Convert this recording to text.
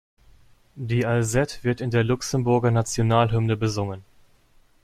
Die Alzette wird in der Luxemburger Nationalhymne besungen.